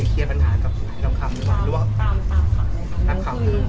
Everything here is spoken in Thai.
มีปัญหากับผู้หายต่อคำหรือว่าตามตามคำเลยค่ะครับครับคือ